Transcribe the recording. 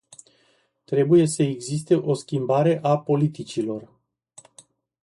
Trebuie să existe o schimbare a politicilor.